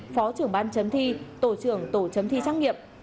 phó trưởng ban chấm thi tổ trưởng tổ chấm thi trang nghiệp